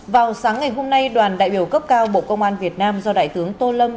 vào sáng ngày hôm nay đoàn đại biểu cấp cao bộ công an việt nam do đại tướng tô lâm